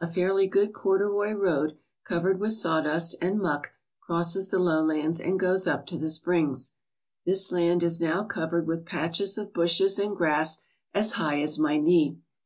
A fairly good corduroy road covered with sawdust and muck crosses the lowlands and goes up to the springs. This land is now covered with patches of bushes and grass as high as my knee.